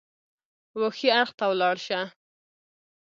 وښي اړخ ته ولاړ شه !